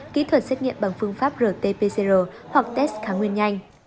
kỹ thuật xét nghiệm bằng phương pháp rt pcr hoặc test kháng nguyên nhanh